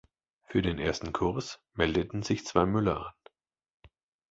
Für den ersten Kurs meldeten sich zwei Müller an.